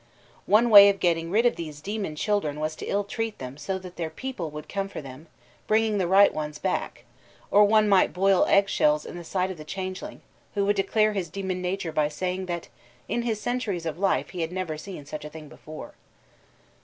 One way of getting rid of these demon children was to ill treat them so that their people would come for them, bringing the right ones back; or one might boil egg shells in the sight of the changeling, who would declare his demon nature by saying that in his centuries of life he had never seen such a thing before.